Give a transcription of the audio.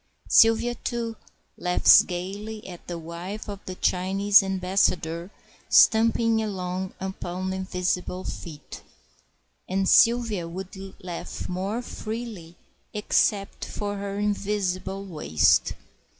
Sylvia, too, laughs gayly at the wife of the Chinese ambassador stumping along upon invisible feet; and Sylvia would laugh more freely except for her invisible waist.